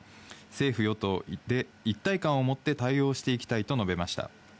政府・与党で一体感を持って対応していきたいと述べました。